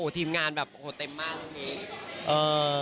โอ้โหทีมงานเต็มมากแล้วไง